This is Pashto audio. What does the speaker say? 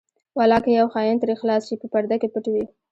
ولاکه یو خاین ترې خلاص شي په پرده کې پټ وي.